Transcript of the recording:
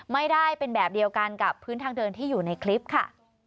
ไม่ได้เป็นแบบเดียวกันกับพื้นทางเดินที่อยู่ในคลิปค่ะ